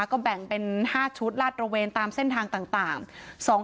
ก็แบ่งเป็น๕ชุดลาดระเวนตามเส้นทางต่าง